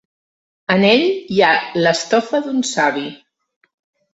En ell hi ha l'estofa d'un savi.